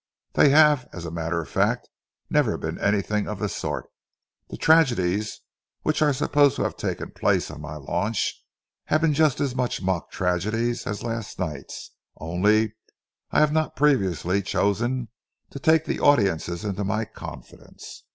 They have, as a matter of fact, never been anything of the sort. The tragedies which are supposed to have taken place on my launch have been just as much mock tragedies as last night's, only I have not previously chosen to take the audiences into my confidence.